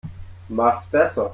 Mach's besser.